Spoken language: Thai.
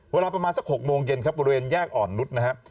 เวลาประมาณสัก๖โมงเย็นครับบริเวณแยกอ่อนนุษย์นะครับ